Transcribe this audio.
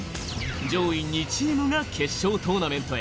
上位２チームが決勝トーナメントへ。